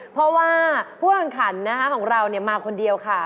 เพราะว่าผู้แข่งขันของเรามาคนเดียวค่ะ